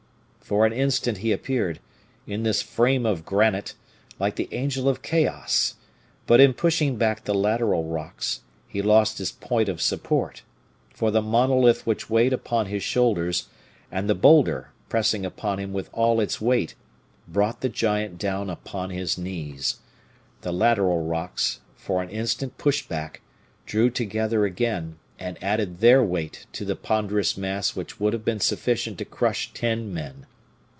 For an instant he appeared, in this frame of granite, like the angel of chaos, but in pushing back the lateral rocks, he lost his point of support, for the monolith which weighed upon his shoulders, and the boulder, pressing upon him with all its weight, brought the giant down upon his knees. The lateral rocks, for an instant pushed back, drew together again, and added their weight to the ponderous mass which would have been sufficient to crush ten men.